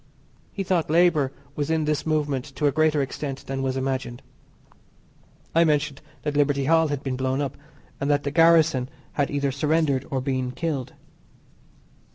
He thought labour was in this movement to a greater extent than was imagined. I mentioned that Liberty Hall had been blown up, and that the garrison had either surrendered or been killed.